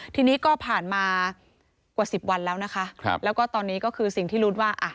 ทีนี้ก็ผ่านมากว่าสิบวันแล้วนะคะครับแล้วก็ตอนนี้ก็คือสิ่งที่รุ้นว่าอ่ะ